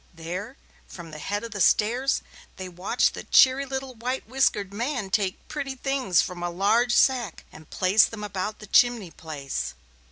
There, from the head of the stairs, they watched the cheery little white whiskered man take pretty things from a large sack and place them about the chimneyplace.